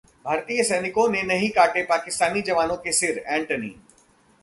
भारतीय सैनिकों ने नहीं काटे पाकिस्तानी जवानों के सिर: एंटनी